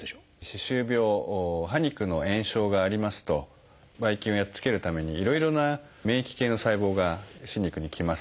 歯周病歯肉の炎症がありますとばい菌をやっつけるためにいろいろな免疫系の細胞が歯肉に来ます。